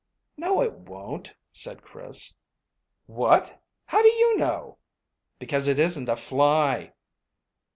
"No, it won't," said Chris. "What! How do you know?" "Because it isn't a fly."